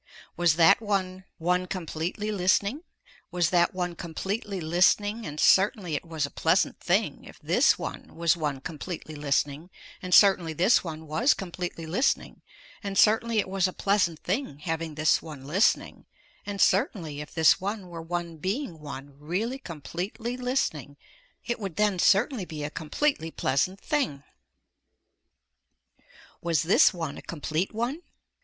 Was that one one completely listening, was that one completely listening and certainly it was a pleasant thing if this one was one completely listening and certainly this one was completely listening and certainly it was a pleasant thing having this one listening and certainly if this one were one being one really completely listening it would then certainly be a completely pleasant thing. Was this one a complete one?